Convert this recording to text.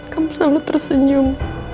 kamu selalu tersenyum